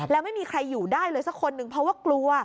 แล้วไม่มีใครอยู่ได้เลยสักคนหนึ่งเพราะว่ากลัว